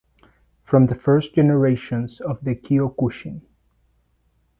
From the first generations of the Kyokushin.